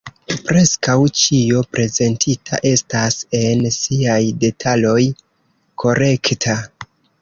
Preskaŭ ĉio prezentita estas en siaj detaloj korekta.